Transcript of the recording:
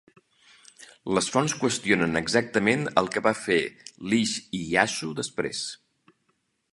Les font qüestionen exactament el que va fer Lij Iyasu després.